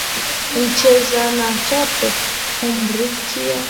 Mcheza na tope humrukia